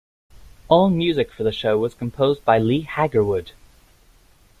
All music for the show was composed by Leigh Haggerwood.